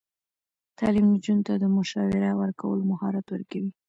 تعلیم نجونو ته د مشاوره ورکولو مهارت ورکوي.